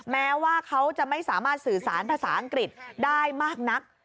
แม้ว่าเขาจะไม่สามารถสื่อสารภาษาอังกฤษได้มากนัก